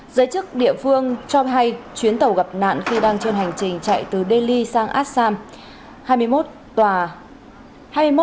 giới chức địa phương cho hay chuyến tàu gặp nạn khi đang trên hành trình chạy từ delhi sang assam